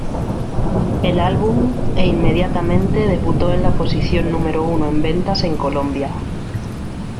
El álbum e inmediatamente debutó en la posición número uno en ventas en Colombia.